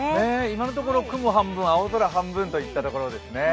今のところ、雲半分、青空半分といったところですね。